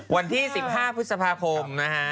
วันที่๑๕พฤษภาคม